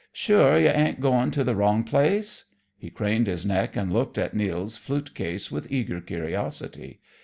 Sure you ain't goin' to the wrong place?" He craned his neck and looked at Nils' flute case with eager curiosity.